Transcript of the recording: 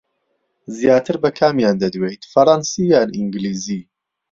زیاتر بە کامیان دەدوێیت، فەڕەنسی یان ئینگلیزی؟